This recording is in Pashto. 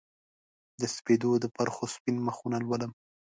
د سپیدو د پرخو سپین مخونه لولم